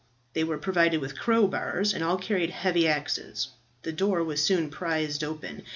They were provided with crowbars, and all carried heavy axes. The door was soon prised open.